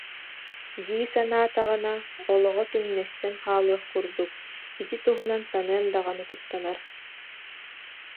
» дии санаатаҕына, олоҕо түҥнэстэн хаалыах курдук, ити туһунан саныан даҕаны куттанар